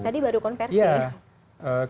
tadi baru konversi